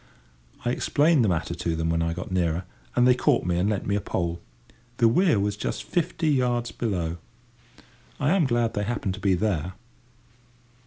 I explained the matter to them when I got nearer, and they caught me and lent me a pole. The weir was just fifty yards below. I am glad they happened to be there.